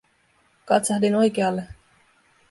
Katsahdin oikealle.